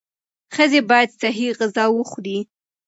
ښځې باید صحي غذا وخوري.